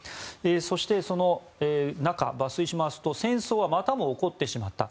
そして、その中、抜粋しますと戦争はまたも起こってしまった。